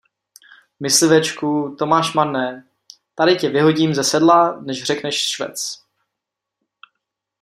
Myslivečku, to máš marné: tady tě vyhodím ze sedla, než řekneš švec.